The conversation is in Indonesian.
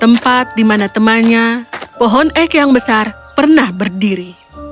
tempat di mana temannya pohon ek yang besar pernah berdiri